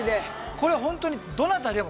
これホントに。